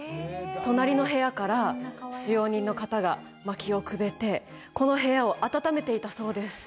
隣の部屋から使用人の方が薪をくべてこの部屋を暖めていたそうです